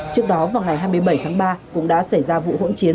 trước đó vào ngày hai mươi bảy tháng ba cũng đã xảy ra vụ hỗn chiến